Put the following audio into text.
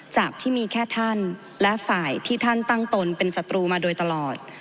จากที่มีแค่ท่านและฝ่ายที่ท่านตั้งตนเป็นศัตรูมาโดยตลอด